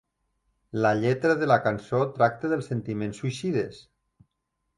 La lletra de la cançó tracta dels sentiments suïcides.